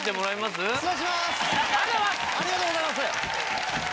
ありがとうございます！